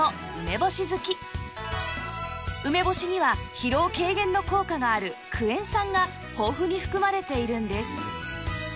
梅干しには疲労軽減の効果があるクエン酸が豊富に含まれているんです